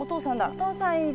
お父さんいる。